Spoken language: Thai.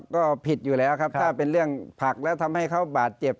ก็ผิดอยู่แล้วครับถ้าเป็นเรื่องผักแล้วทำให้เขาบาดเจ็บ